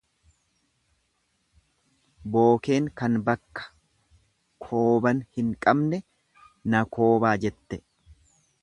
Bookeen kan bakka kooban hin qabne na koobaa jette.